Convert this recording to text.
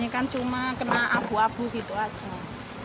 di sini kan cuma kena abu abu gitu aja